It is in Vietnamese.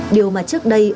điều mà trước đây